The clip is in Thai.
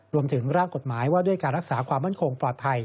รวมถึงร่างกฎหมายว่าด้วยการรักษาความมั่นคงปลอดภัย